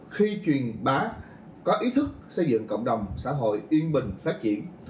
khi truyền bá có ý thức xây dựng cộng đồng xã hội yên bình phát triển